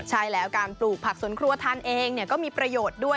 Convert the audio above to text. ใช่แล้วการปลูกผักสวนครัวทานเองก็มีประโยชน์ด้วย